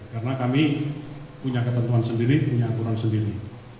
karena kami punya ketentuan sendiri punya aturan sendiri